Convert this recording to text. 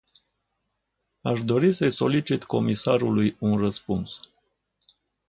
Aș dori să-i solicit comisarului un răspuns.